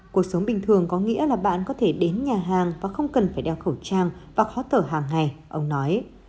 cuộc sống bình thường có nghĩa là bạn có thể đến nhà hàng và không cần phải đeo khẩu trang và khó thở hàng ngày ông nói